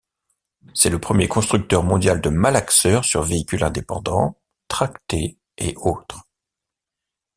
C'est le premier constructeur mondial de malaxeurs sur véhicules indépendants, tractés et autres.